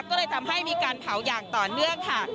ก็เลยทำให้มีการเผาอย่างต่อเนื่องค่ะ